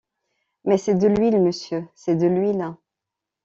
Mais c’est de l’huile... monsieur... c’est de l’huile!